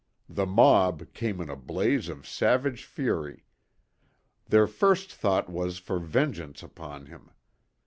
The mob came in a blaze of savage fury. Their first thought was for vengeance upon him.